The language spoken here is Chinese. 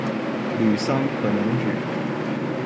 吕桑可能指：